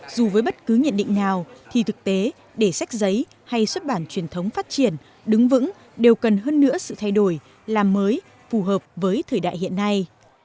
dù với bất cứ nhận định nào thì thực tế để sách giấy hay xuất bản truyền thống phát triển đứng vững đều cần hơn nữa sự thay đổi làm mới phù hợp với thời đại hiện nay